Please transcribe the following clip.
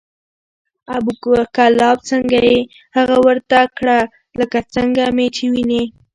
ابو کلاب څنګه یې؟ هغه ورته کړه لکه څنګه مې چې وینې،